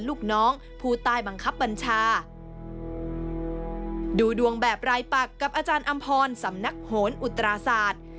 ลูกน้องผู้ใต้บังคับบัญชาดูดวงแบบรายปักกับอาจารย์อำพรสำนักโหนอุตราศาสตร์